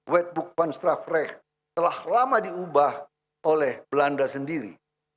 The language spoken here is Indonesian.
vatbhuk van straffrecht telah lama diubah oleh belanda sendiri